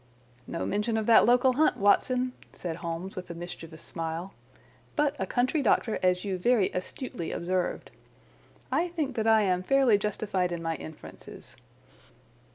"No mention of that local hunt, Watson," said Holmes with a mischievous smile, "but a country doctor, as you very astutely observed. I think that I am fairly justified in my inferences.